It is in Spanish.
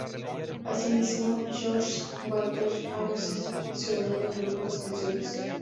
Asimismo, George Baker ha versionado algunas canciones.